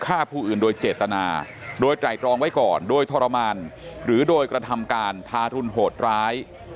ฆ่าผู้อื่นโดยเจตนาโดยไตรตรองไว้ก่อนโดยทรมานหรือโดยกระทำการทารุณโหดร้าย